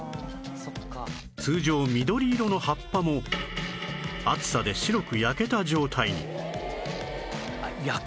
通常緑色の葉っぱも暑さで白く焼けた状態に